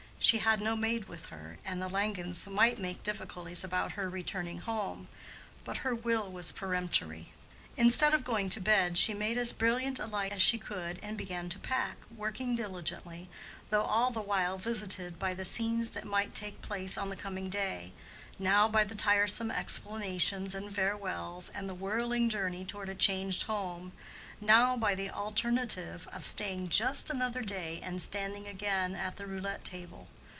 She had no maid with her, and the Langens might make difficulties about her returning home, but her will was peremptory. Instead of going to bed she made as brilliant a light as she could and began to pack, working diligently, though all the while visited by the scenes that might take place on the coming day—now by the tiresome explanations and farewells, and the whirling journey toward a changed home, now by the alternative of staying just another day and standing again at the roulette table.